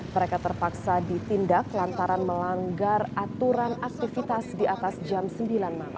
mereka terpaksa ditindak lantaran melanggar aturan aktivitas di atas jam sembilan malam